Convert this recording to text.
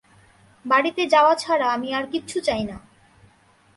বাড়িতে যাওয়া ছাড়া আমি আর কিচ্ছু চাই না!